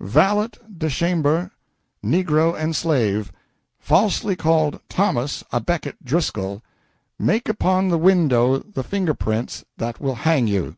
Valet de Chambre, negro and slave, falsely called Thomas à Becket Driscoll, make upon the window the finger prints that will hang you!"